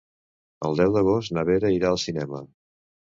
El deu d'agost na Vera irà al cinema.